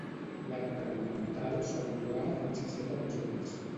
L'arc argumental sol durar fins a set episodis.